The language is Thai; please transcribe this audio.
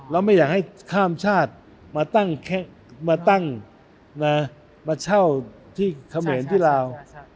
แล้วไม่อยากให้ข้ามชาติมาเช่าที่เขมรที่ราว